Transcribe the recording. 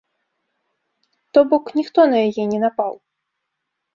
То бок, ніхто на яе не напаў.